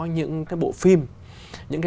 những bộ phim những